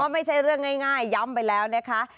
ไม่ใช่เรื่องง่ายย้ำไปแล้วนะคะ